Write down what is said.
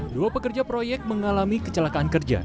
dua pekerja proyek mengalami kecelakaan kerja